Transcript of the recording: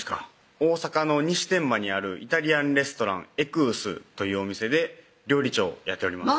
大阪の西天満にあるイタリアンレストラン・ＥＱＵＵＳというお店で料理長をやっております